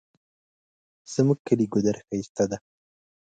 زمونږ کلی ګودر ښایسته ده